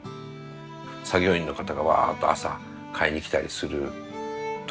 作業員の方がわっと朝買いにきたりするところとか。